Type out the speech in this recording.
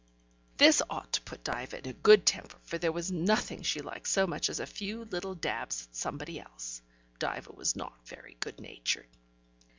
This ought to put Diva in a good temper, for there was nothing she liked so much as a few little dabs at somebody else. (Diva was not very good natured.)